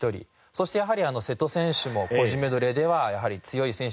そしてやはり瀬戸選手も個人メドレーではやはり強い選手。